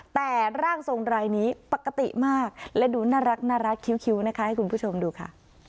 แต่ร่างทรงรายนี้ปกติมากและดูน่ารักคิ้วนะคะให้คุณผู้ชมดูค่ะ